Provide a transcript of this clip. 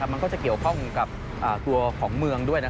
มันก็จะเกี่ยวข้องกับตัวของเมืองด้วย